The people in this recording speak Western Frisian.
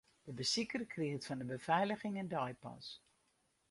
De besiker kriget fan de befeiliging in deipas.